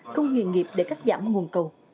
không nghiện nghiệp để cắt giảm nguồn cầu